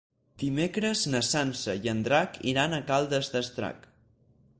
Dimecres na Sança i en Drac iran a Caldes d'Estrac.